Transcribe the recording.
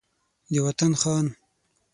د وطن خان